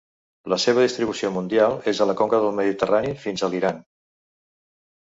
La seva distribució mundial és a la conca del Mediterrani fins a l'Iran.